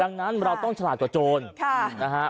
ดังนั้นเราต้องฉลาดกว่าโจรนะฮะ